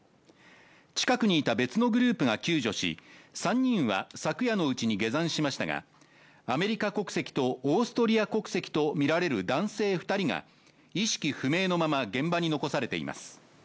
近くにいた別のグループが救助し、３人は昨夜のうちに下山しましたがアメリカ国籍とオーストリア国籍とみられる男性２人が意識不明のまま現場に残されています。